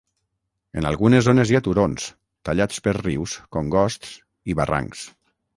En algunes zones hi ha turons, tallats per rius, congosts i barrancs.